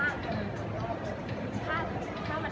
มันเป็นสิ่งที่จะให้ทุกคนรู้สึกว่า